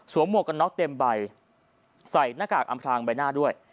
หมวกกันน็อกเต็มใบใส่หน้ากากอำพลางใบหน้าด้วย